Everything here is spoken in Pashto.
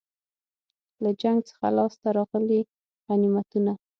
له جنګ څخه لاسته راغلي غنیمتونه.